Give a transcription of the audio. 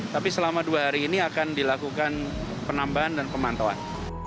tapi selama dua hari ini akan dilakukan penambahan dan pemantauan